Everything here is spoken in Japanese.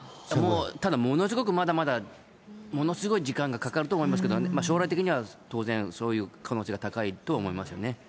ただ、ものすごくまだまだ、ものすごい時間がかかると思いますけど、将来的には当然、そういう可能性が高いとは思いますよね。